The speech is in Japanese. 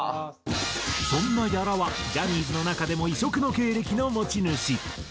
そんな屋良はジャニーズの中でも異色の経歴の持ち主。